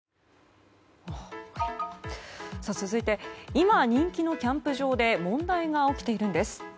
続いて今人気のキャンプ場で問題が起きているんです。